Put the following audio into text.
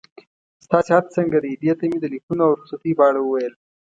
ستا صحت څنګه دی؟ دې ته مې د لیکونو او رخصتۍ په اړه وویل.